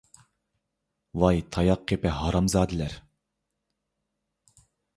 ۋاي تاياق قېپى ھازامزادىلەر!